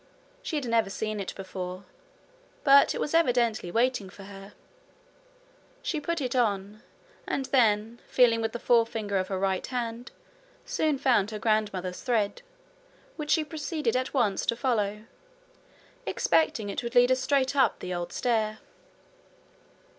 She had never seen it before but it was evidently waiting for her. She put it on, and then, feeling with the forefinger of her right hand, soon found her grandmother's thread, which she proceeded at once to follow, expecting it would lead her straight up the old stair.